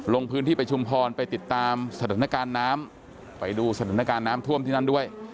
ลงพื้นที่ไปชุมพรไปติดตามสถานการณ์น้ำไปดูสถานการณ์น้ำท่วมที่นั่นด้วย